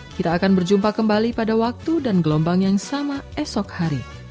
kita akan berjumpa kembali pada waktu dan gelombang yang sama esok hari